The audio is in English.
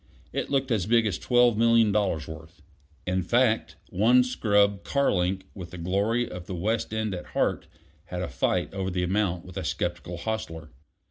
It looked as big as twelve million dollars' worth. In fact, one scrub car link, with the glory of the West End at heart, had a fight over the amount with a skeptical hostler.